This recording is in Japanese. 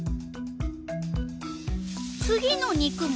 次の肉も。